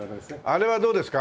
あれはどうですか？